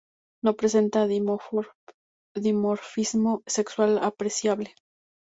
No presenta dimorfismo sexual apreciable.